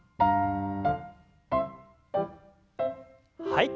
はい。